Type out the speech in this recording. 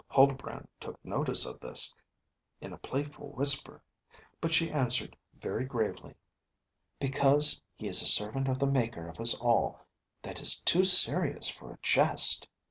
Huldbrand took notice of this, in a playful whisper; but she answered very gravely: "Because he is a servant of the Maker of us all; that is too serious for a jest."